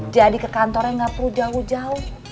jadi ke kantornya nggak perlu jauh jauh